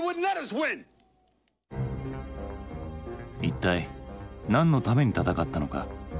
一体何のために戦ったのか？